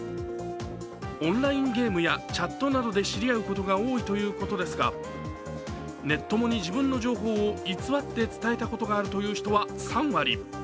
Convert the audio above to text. オンラインゲームやグチャットなどで知り合うことが多いということですがネッ友に自分の情報を偽って伝えたことがあるという人は３割。